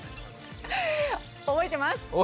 覚えてます。